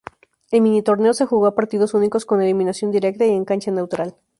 El minitorneo se jugó a partidos únicos con eliminación directa y en cancha neutral.